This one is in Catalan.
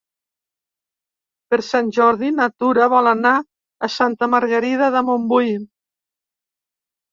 Per Sant Jordi na Tura vol anar a Santa Margarida de Montbui.